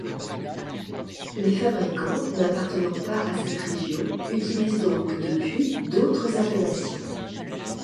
Les fabricants n'appartenant pas à cette région utilisent donc depuis d'autres appellations.